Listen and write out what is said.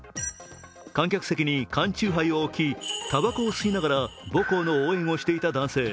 観客席に缶チューハイを置きたばこを吸いながら母校の応援をしていた男性。